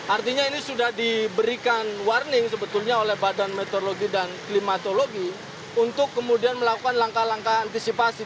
artinya ini sudah diberikan warning sebetulnya oleh badan meteorologi dan klimatologi untuk kemudian melakukan langkah langkah antisipasi